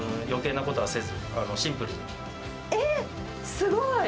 すごい。